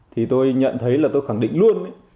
thì tôi nhận thấy là tôi khẳng định luôn